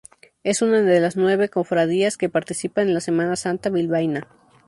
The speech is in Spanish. Es una de las nueve cofradías que participan en la Semana Santa bilbaína.